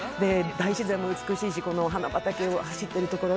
大自然も美しいしこの花畑を走っているところ。